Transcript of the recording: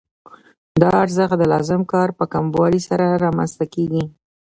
دا ارزښت د لازم کار په کموالي سره رامنځته کېږي